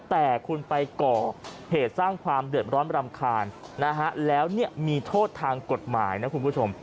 แต่คุณไปก่อเหตุสร้างความเดือดร้อนรำคาญนะฮะแล้วเนี่ยมีโทษทางกฎหมายนะคุณผู้ชม